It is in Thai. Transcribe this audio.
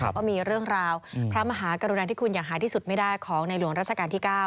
ก็มีเรื่องราวพระมหากรุณาธิคุณอย่างหาที่สุดไม่ได้ของในหลวงราชการที่๙